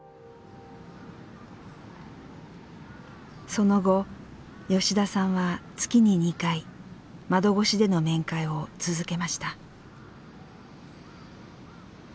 その後、吉田さんは月に２回窓越しでの面会を続けました。